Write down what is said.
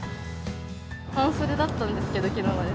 半袖だったんですけど、きのうまで。